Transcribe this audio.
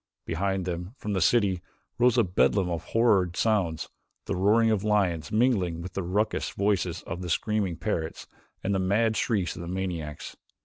Behind them, from the city, rose a bedlam of horrid sounds, the roaring of lions mingling with the raucous voices of the screaming parrots and the mad shrieks of the maniacs.